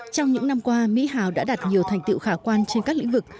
trong những năm qua mỹ hào đã đạt nhiều thành tiệu khả quan trên các lĩnh vực